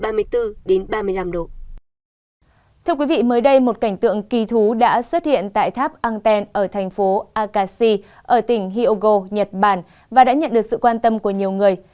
thưa quý vị mới đây một cảnh tượng kỳ thú đã xuất hiện tại tháp engten ở thành phố akasi ở tỉnh hyogo nhật bản và đã nhận được sự quan tâm của nhiều người